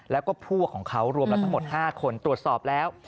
แล้วก็พวกของเขารวมแล้วทั้งหมด๕คนตรวจสอบแล้ว